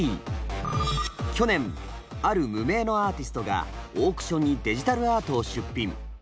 去年ある無名のアーティストがオークションにデジタルアートを出品。